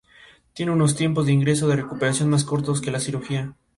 Tiene unos tiempos de ingreso de recuperación más cortos que la cirugía.